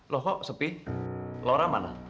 lohok sepi lora mana